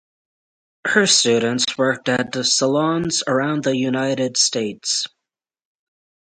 Her students worked at salons around the United States.